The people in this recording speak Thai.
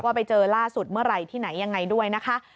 ไปเจอล่าสุดเมื่อไหร่ที่ไหนยังไงด้วยนะคะ